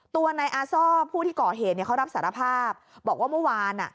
ตัวนายอาซ่อผู้ที่ก่อเหตุเนี่ยเขารับสารภาพบอกว่าเมื่อวานอ่ะ